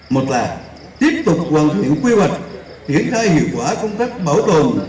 một là tiếp tục hoàn thiện quy hoạch hiển thai hiệu quả công tác bảo tồn